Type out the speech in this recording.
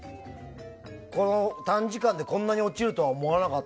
この短時間でこんなに落ちるとは思わなかった。